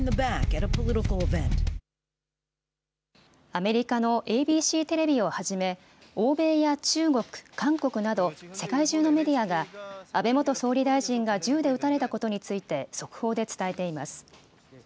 アメリカのＡＢＣテレビをはじめ、欧米や中国、韓国など、世界中のメディアが、安倍元総理大臣が銃で撃たれたことについて、速報で伝えています。